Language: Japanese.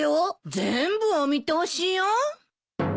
全部お見通しよ。